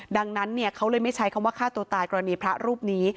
ดังนั้นเขาเลยไม่ใช้คำว่าฆ่าตัวตายกรณีพระรูปนี้